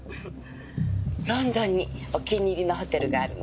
ロンドンにお気に入りのホテルがあるの。